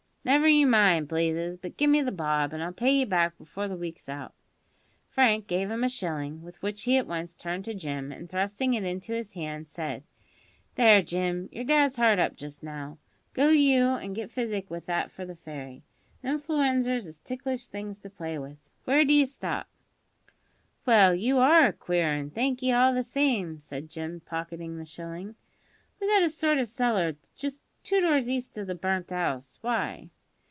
"Never you mind, Blazes; but give me the bob, an' I'll pay you back before the week's out." Frank gave him a shilling, with which he at once returned to Jim, and thrusting it into his hand, said: "There, Jim, your dad's hard up just now. Go you an' get physic with that for the fairy. Them 'floo enzers is ticklish things to play with. Where d'ye stop?" "Well, you are a queer 'un; thank'ee all the same," said Jim, pocketing the shilling. "We've got a sort o' cellar just two doors east o' the burnt 'ouse. Why?"